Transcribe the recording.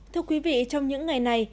thưa quý vị trong những ngày này